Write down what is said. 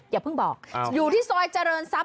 อย่าเพิ่งบอกอยู่ที่ซอยเจริญทรัพย